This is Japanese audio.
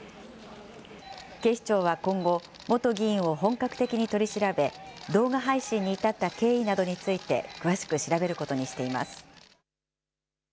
警視庁は今後、元議員を本格的に取り調べ、動画配信に至った経緯などについて詳しく調べることにしています。